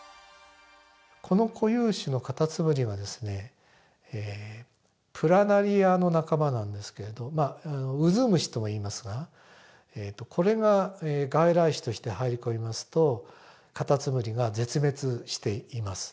この固有種のカタツムリはですねプラナリアの仲間なんですけれどまあ渦虫ともいいますがこれが外来種として入り込みますとカタツムリが絶滅しています。